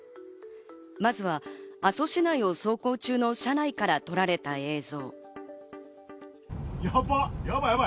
まずは阿蘇市内を走行中の車内から撮られた映像。